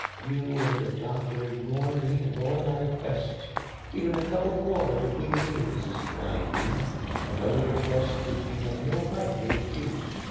"You and the doctor ignore me and all my requests. Even a cup of water between meals is denied me, and other requests which you have no right to refuse.